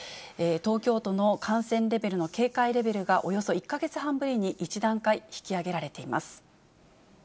東京都の感染レベルの警戒レベルが、およそ１か月半ぶりに１段階引き上げられています。